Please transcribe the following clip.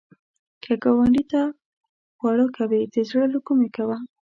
که ګاونډي ته خواړه کوې، د زړه له کومي کوه